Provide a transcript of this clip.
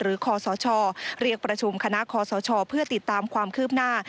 คอสชเรียกประชุมคณะคอสชเพื่อติดตามความคืบหน้า